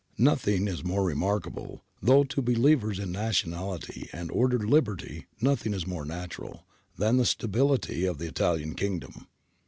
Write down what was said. Nothing is more remarkable — though to believers in nationality and ordered liberty nothing is more natural — than the stability of the Italian Kingdom.